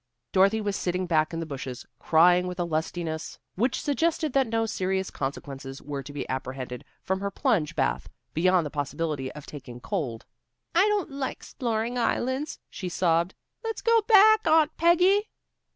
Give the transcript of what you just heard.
Dorothy was sitting back in the bushes, crying with a lustiness which suggested that no serious consequences were to be apprehended from her plunge bath, beyond the possibility of taking cold. "I don't like 'sploring islands," she sobbed. "Let's go back, Aunt Peggy."